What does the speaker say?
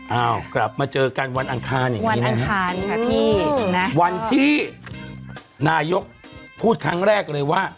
เอากลับมาเจอกันวันอังคารอย่างนี้นะคะพี่นะวันที่นายกพูดครั้งแรกเลยว่า